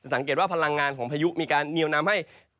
สังเกตว่าพลังงานของพายุมีการเหนียวนำให้